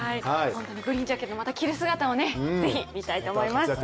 グリーンジャケットまた着る姿をまた見たいと思います。